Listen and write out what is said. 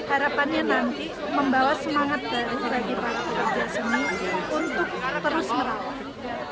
harapannya nanti membawa semangat baru bagi para pekerja seni untuk terus merawat